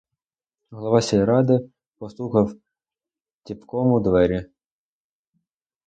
Голова сільради постукав ціпком у двері.